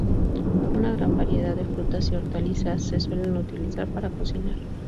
Una gran variedad de frutas y hortalizas se suelen utilizar para cocinar.